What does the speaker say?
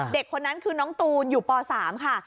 เด็กคนนั้นคือน้องตูนอยู่ป๓ค่ะ